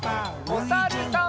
おさるさん。